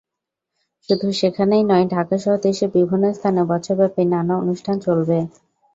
শুধু সেখানেই নয়, ঢাকাসহ দেশের বিভিন্ন স্থানে বছরব্যাপী নানা অনুষ্ঠান চলবে।